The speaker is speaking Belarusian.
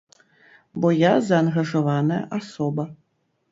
Бо я заангажаваная асоба.